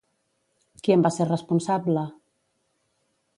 Qui en va ser responsable?